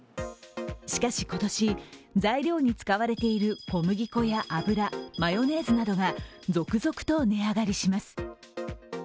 しかし今年、材料に使われている小麦粉や油マヨネーズなどが続々と値上がりします。